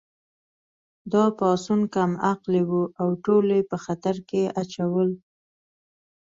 دا پاڅون کم عقلې وه او ټول یې په خطر کې اچول